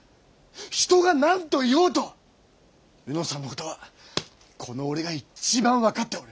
人が何と言おうと卯之さんのことはこの俺が一番分かっておる。